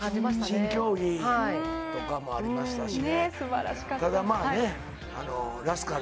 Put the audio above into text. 新競技もありましたしね。